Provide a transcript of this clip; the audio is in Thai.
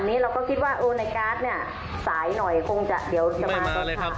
แต่ปรากฏว่าไม่มาอีกนะคะ